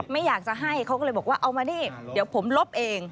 ไม่อยากจะให้เขาก็เลยบอกว่าเอามานี่เดี๋ยวผมลบเอง